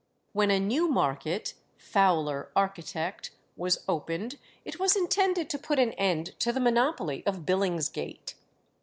When a new market (Fowler, architect) was opened, it was intended to put an end to the monopoly of Billingsgate.